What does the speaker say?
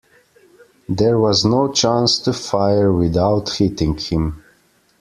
There was no chance to fire without hitting him.